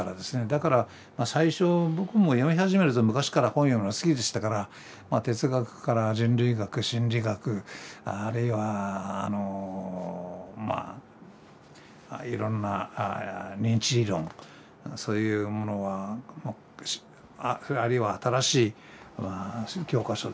だから最初僕も読み始めると昔から本読むのが好きでしたから哲学から人類学心理学あるいはいろんな認知理論そういうものはあるいは新しい教科書ですね。